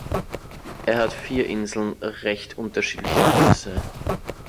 Er hat vier Inseln recht unterschiedlicher Größe.